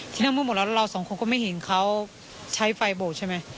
ที่นั่งพูดหมดแล้วเราสองคนก็ไม่เห็นเขาใช้ไฟโบสใช่ไหม